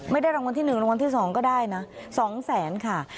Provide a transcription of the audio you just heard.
ไม่ได้รางวัลที่หนึ่งรางวัลที่สองก็ได้นะสองแสนค่ะ